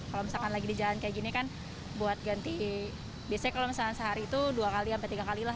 kalau misalkan lagi di jalan kayak gini kan buat ganti biasanya kalau misalnya sehari itu dua tiga kali lah ganti masker gitu